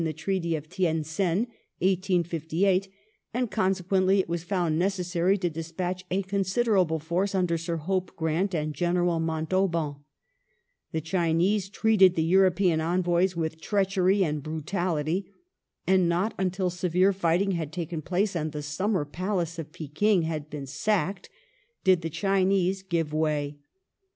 312 DOMESTIC ADMINISTRATION [1856 conditions accepted in the Treaty of Tientsin (1858), and con sequently it was found necessary to despatch a considerable force under Sir Hope Grant and General Montauban. The Chinese treated the European Envoys with treachery and brutality, and not until severe fighting had taken place and the summer Palace at Pekin had been sacked, did the Chinese give way.